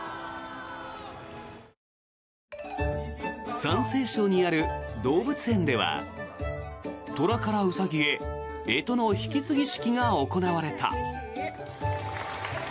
山西省にある動物園では虎からウサギへ干支の引き継ぎ式が行われた。